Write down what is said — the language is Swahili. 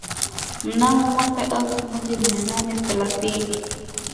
mnamo mwaka elfu moja mia nane thelathini